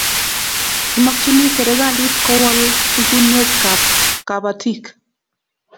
Kimakchini serikalit ko wol pichunwek ab kabatik